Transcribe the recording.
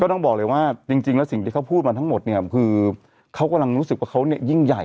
ต้องบอกเลยว่าจริงแล้วสิ่งที่เขาพูดมาทั้งหมดเนี่ยคือเขากำลังรู้สึกว่าเขาเนี่ยยิ่งใหญ่